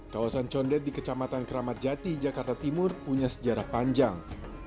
kawasan condet di kecamatan keramat jati jakarta timur punya sejarah panjang